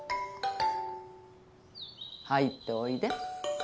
入っておいで。